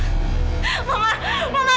kamu cuma penipu ma